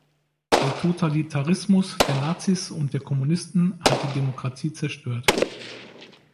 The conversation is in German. Der Totalitarismus der Nazis und der Kommunisten hat die Demokratie zerstört.